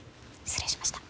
失礼しました。